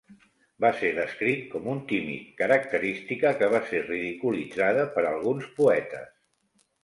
Va ser descrit com un tímid, característica que va ser ridiculitzada per alguns poetes.